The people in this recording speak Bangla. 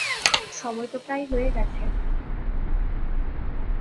সময় তো প্রায় হয়ে গেছে।